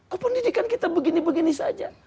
apa pendidikan kita begini begini saja